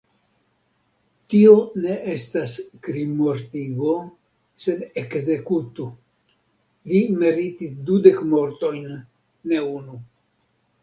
Tio ne estos krimmortigo, sed ekzekuto: li meritis dudek mortojn, ne unu.